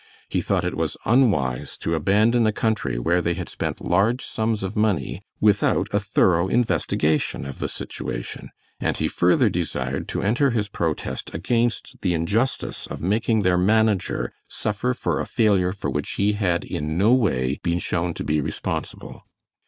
He thought it was unwise to abandon a country where they had spent large sums of money, without a thorough investigation of the situation, and he further desired to enter his protest against the injustice of making their manager suffer for a failure for which he had in no way been shown to be responsible.